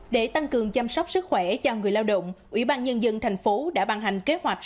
để tăng cường chăm sóc sức khỏe cho người lao động ủy ban nhân dân tp hcm đã bàn hành kế hoạch